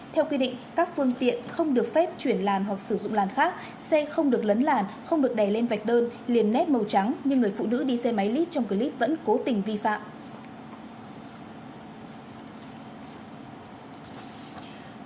theo quy định các phương tiện không được phép chuyển làn hoặc sử dụng làn khác xe không được lấn làn không được đè lên vạch đơn liền net màu trắng nhưng người phụ nữ đi xe máy lit trong clip vẫn cố tình vi phạm